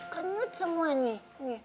kernut semua nih